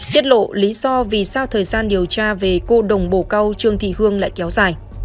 tiết lộ lý do vì sao thời gian điều tra về cô đồng bầu cao trương thị hương lại kéo dài